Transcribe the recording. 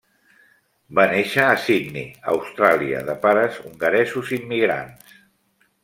Va néixer a Sydney, Austràlia, de pares hongaresos immigrants.